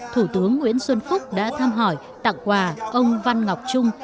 thủ tướng nguyễn xuân phúc đã thăm hỏi tặng quà ông văn ngọc trung